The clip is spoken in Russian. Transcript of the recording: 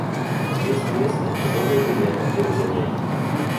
Есть место, которое бы я хотел занять.